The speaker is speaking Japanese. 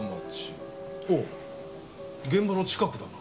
おっ現場の近くだな。